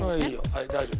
はい大丈夫。